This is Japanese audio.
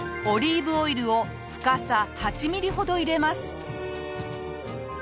オリーブオイルを深さ８ミリほど入れます。